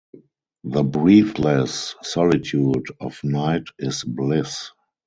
The breathless solitude of night is bliss.